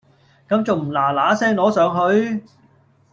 咁重唔嗱嗱聲攞上去？